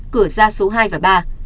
cửa ra số hai và ba